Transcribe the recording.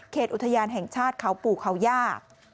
อุทยานแห่งชาติเขาปู่เขาย่า